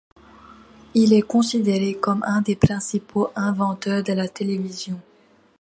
Il est considéré comme un des principaux inventeurs de la télévision.